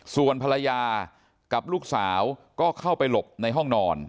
ส่วนภรรยากับลูกสาวก็เข้าไปหลบในห้องนอน